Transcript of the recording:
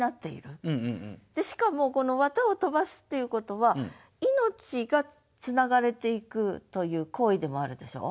しかもこの絮を飛ばすっていうことは命がつながれていくという行為でもあるでしょう？